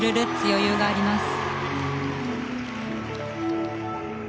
余裕があります。